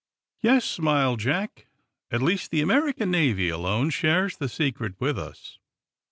"Yes," smiled Jack. "At least, the American Navy alone shares the secret with us."